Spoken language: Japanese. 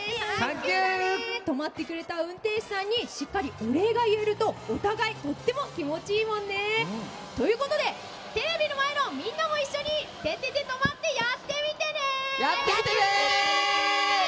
止まってくれた運転手さんにしっかりお礼が言えるとお互いとっても気持ちいいもんね。ということでテレビの前のみんなも一緒に「ててて！とまって！」やってみてね！